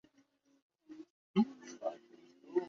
তুমি তাকে ফলো করে এখানে চলে আসছো?